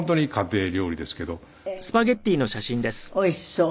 おいしそう。